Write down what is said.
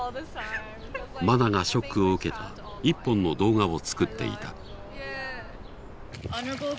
槙苗がショックを受けた１本の動画を作っていた。